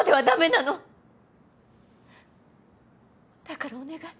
だからお願い。